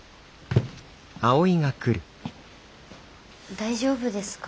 大丈夫ですか？